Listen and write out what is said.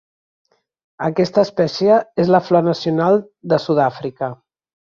Aquesta espècie és la Flor Nacional de Sud-àfrica.